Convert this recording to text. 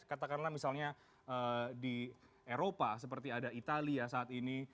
katakanlah misalnya di eropa seperti ada italia saat ini